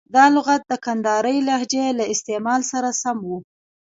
دا لغت د کندهارۍ لهجې له استعمال سره سم و.